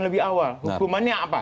lebih awal hukumannya apa